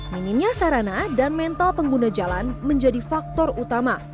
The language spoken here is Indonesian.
minimnya sarana dan mental pengguna jalan menjadi faktor utama